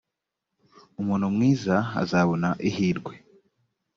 umuntu mwiza azabona ihirwe